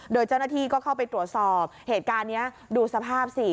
โดยเจ้าหน้าที่ก็เข้าไปตรวจสอบเหตุการณ์นี้ดูสภาพสิ